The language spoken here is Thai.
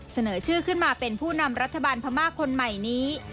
เสนอชื่อขึ้นมาเป็นผู้นำรัฐบาลพม่าคนใหม่นี้